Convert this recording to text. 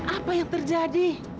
apa yang terjadi